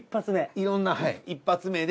いろんなはい１発目で。